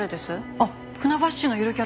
あっ船橋市のゆるキャラ？